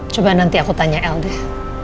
coba nanti aku tanya al deh